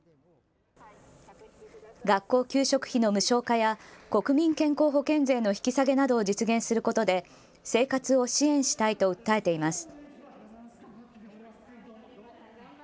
学校給食費の無償化や国民健康保険税の引き下げなどを実現することで生活を支援したいと訴えています。